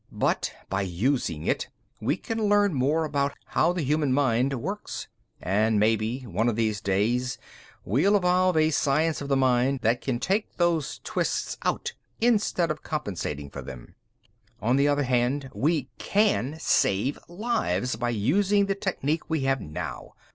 But, by using it, we can learn more about how the human mind works, and maybe one of these days we'll evolve a science of the mind that can take those twists out instead of compensating for them. "On the other hand, we can save lives by using the technique we have now.